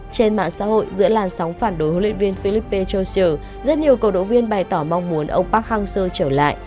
trên mạng xã hội giữa làn sóng phản đối huấn luyện viên philippe chausseur rất nhiều cầu độ viên bày tỏ mong muốn ông park hong seo trở lại